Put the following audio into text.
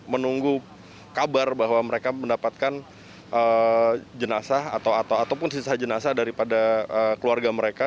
menunggu kabar bahwa mereka mendapatkan jenazah atau ataupun sisa jenazah daripada keluarga mereka